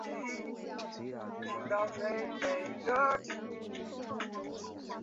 本剧亦为坂口健太郎的初次主演剧作。